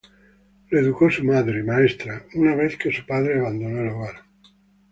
Lo educó su madre, maestra, una vez que su padre abandonó el hogar.